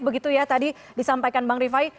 begitu ya tadi disampaikan bang rifai